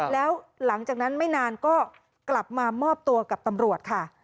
แล้วหลังจากนั้นไม่นานก็กลับมามอบตัวกับตำรวจค่ะ